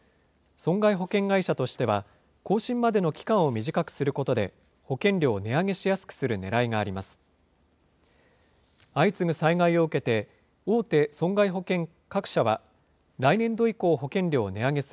損害保険会社としては、更新までの期間を短くすることで保険料を値上げしやすくするねらいがあります。